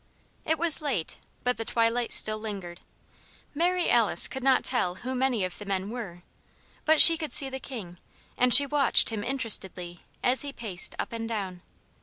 It was late, but the twilight still lingered. Mary Alice could not tell who many of the men were, but she could see the King and she watched him interestedly as he paced up and down.